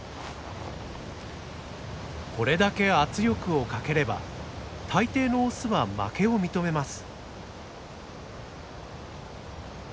これだけ圧力をかければ大抵のオスは負けを認めます。